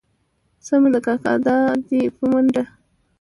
سمه ده کاکا دا دي په منډه.